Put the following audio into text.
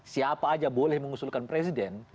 siapa aja boleh mengusulkan presiden